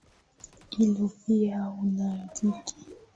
Hio pia uandike